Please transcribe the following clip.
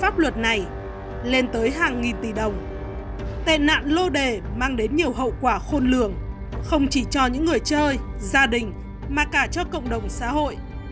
tên nạn lô đề mang đến nhiều hậu quả khôn lường không chỉ cho những người chơi gia đình mà cả cho cộng đồng xã hội